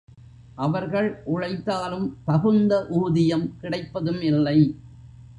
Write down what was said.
அவர்கள் உழைத்தாலும் தகுந்த ஊதியம் கிடைப்பதும் இல்லை.